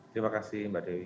terima kasih mba dewi